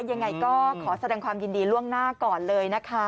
ยังไงก็ขอแสดงความยินดีล่วงหน้าก่อนเลยนะคะ